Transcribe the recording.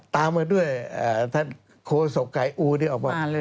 ตามมาด้วยท่านโคศกไก่อูที่ออกมา